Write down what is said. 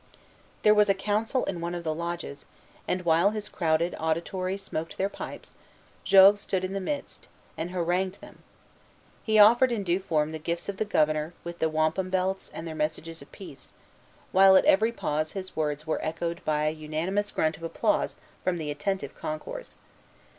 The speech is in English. There was a council in one of the lodges; and while his crowded auditory smoked their pipes, Jogues stood in the midst, and harangued them. He offered in due form the gifts of the Governor, with the wampum belts and their messages of peace, while at every pause his words were echoed by a unanimous grunt of applause from the attentive concourse.